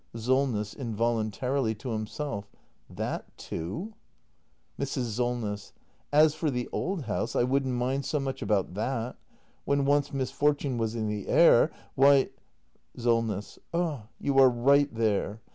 Solness. [Involuntarily to himself.] That too ! Mrs. Solness. As for the old house, I wouldn't mind so much about that. When once misfortune was in the air — why Solness. Ah, you are right there.